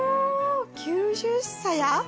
９０さや？